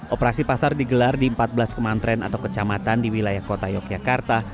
operasi pasar digelar di empat belas kemantren atau kecamatan di wilayah kota yogyakarta